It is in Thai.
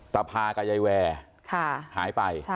ตาพากับยายแวร์หายไป